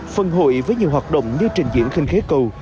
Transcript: phần hội với nhiều hoạt động như trình diễn khinh khí cầu